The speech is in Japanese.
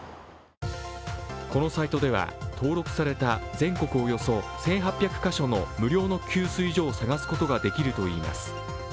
このサイトでは、登録された全国およそ１８００カ所の無料の給水所を探すことができるといいます。